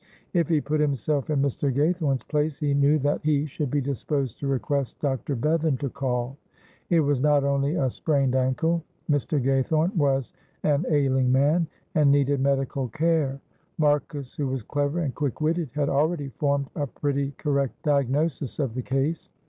If he put himself in Mr. Gaythorne's place, he knew that he should be disposed to request Dr. Bevan to call. It was not only a sprained ankle. Mr. Gaythorne was an ailing man, and needed medical care. Marcus, who was clever and quick witted, had already formed a pretty correct diagnosis of the case.